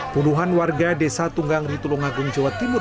puluhan warga desa tunggang ritulungagung jawa timur